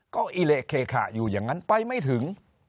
ก็อิเละเคขะอยู่อย่างนั้นไปไม่ถึง